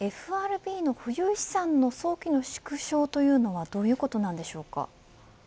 ＦＲＢの保有資産の早期の縮小というのはどういうことでしょうか。